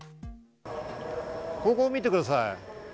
ここを見てください。